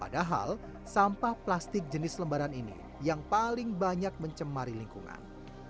padahal sampah plastik jenis lembaran ini yang paling banyak mencemari lingkungan